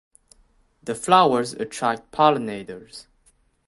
The flowers attract pollinators.